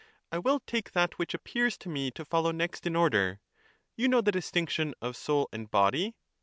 I will take that which appears to me to follow next in order. You know the distinction of soul and body?